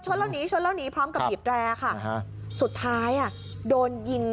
หนีชนแล้วหนีพร้อมกับบีบแรร์ค่ะสุดท้ายอ่ะโดนยิง